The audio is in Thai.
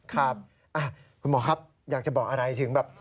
ครับคุณหมอครับอยากจะบอกอะไรถึงแบบ